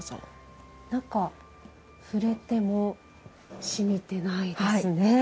中、触れても、しみてないですね。